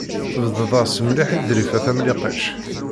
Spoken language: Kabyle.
Tbedded-as mliḥ i Ḍrifa Tamlikect.